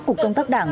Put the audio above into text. cục công tác đảng